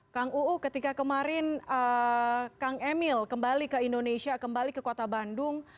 kang uu ketika kemarin kang emil kembali ke indonesia kembali ke kota bandung